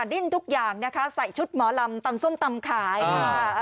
ดิ้นทุกอย่างนะคะใส่ชุดหมอลำตำส้มตำขายค่ะ